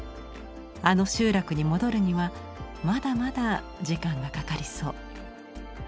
あの集落に戻るにはまだまだ時間がかかりそう。